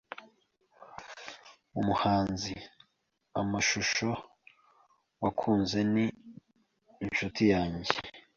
Umuhanzi, amashusho wakunze, ni inshuti yanjye.